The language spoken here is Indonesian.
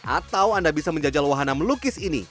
atau anda bisa menjajal wahana melukis ini